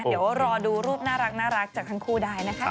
เดี๋ยวรอดูรูปน่ารักจากทั้งคู่ได้นะคะ